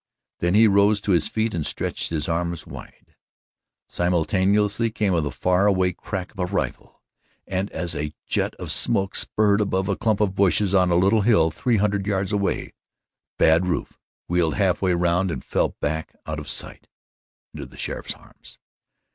Then he rose to his feet and stretched his arms wide. Simultaneously came the far away crack of a rifle, and as a jet of smoke spurted above a clump of bushes on a little hill, three hundred yards away, Bad Rufe wheeled half way round and fell back out of sight into the sheriff's arms.